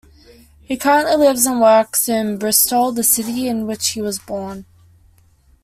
He currently lives and works in Bristol, the city in which he was born.